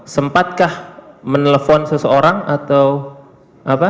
sempatkah menelpon seseorang atau apa